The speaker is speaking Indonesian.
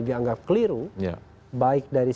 dianggap keliru baik dari